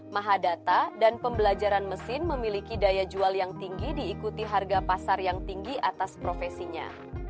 mahadata dan pembelajaran mesin memiliki daya jual yang tinggi diikuti harga pasar yang tinggi atas profesinya